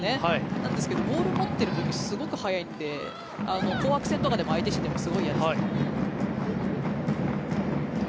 なんですけどボールを持っている時すごく速いので紅白戦で相手とかしていてもすごいやりづらいです。